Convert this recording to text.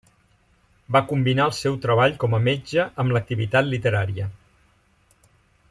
Va combinar el seu treball com a metge amb l'activitat literària.